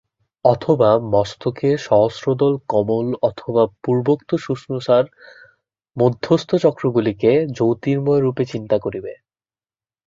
অথবা মস্তকে সহস্রদল কমল অথবা পূর্বোক্ত সুষুম্নার মধ্যস্থ চক্রগুলিকে জ্যোতির্ময়রূপে চিন্তা করিবে।